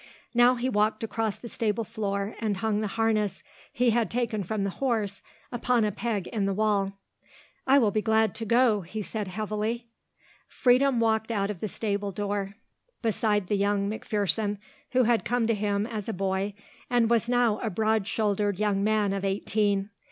Now he walked across the stable floor and hung the harness he had taken from the horse upon a peg in the wall. "I will be glad to go," he said heavily. Freedom walked out of the stable door beside the young McPherson who had come to him as a boy and was now a broad shouldered young man of eighteen.